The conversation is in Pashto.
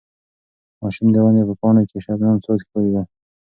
ماشوم د ونې په پاڼو کې د شبنم څاڅکي ولیدل.